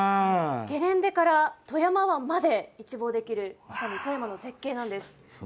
ゲレンデから富山湾まで一望できる富山の絶景なんです。